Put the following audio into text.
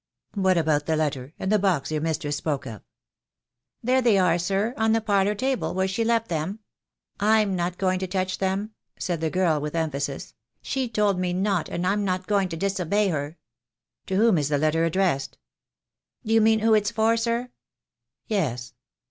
"What about the letter — and the box your mistress spoke of?" "There they are, sir, on the parlour table, where she left them. I'm not going to touch them," said the girl, with emphasis. "She told me not, and I'm not going to disobey her." "To whom is the letter addressed?" "Do you mean who it's for, sir?" "Yes."